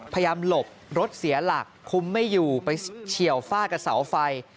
หลบรถเสียหลักคุ้มไม่อยู่ไปเฉียวฟาดกับเสาไฟ